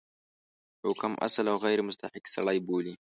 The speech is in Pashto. یو کم اصل او غیر مستحق سړی بولي.